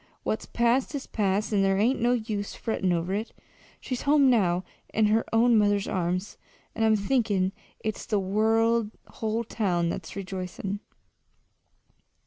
what's past is past, and there ain't no use frettin' over it. She's home now, in her own mother's arms, and I'm thinkin' it's the whole town that's rejoicin'!"